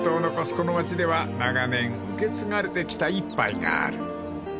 この町では長年受け継がれてきた一杯がある］